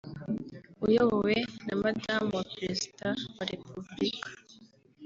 uyobowe na Madamu wa Perezida wa Repubulika